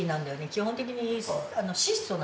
基本的に。